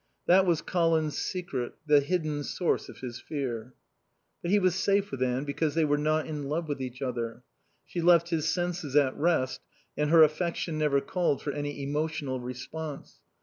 That was Colin's secret, the hidden source of his fear. But he was safe with Anne because they were not in love with each other. She left his senses at rest, and her affection never called for any emotional response.